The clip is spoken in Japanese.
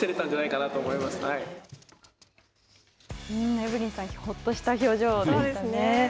エブリンさん、ホッとした表情でしたね。